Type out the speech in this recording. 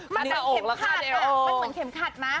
มันเหมือนเข็มขัดมันเหมือนเข็มขัดมั้ย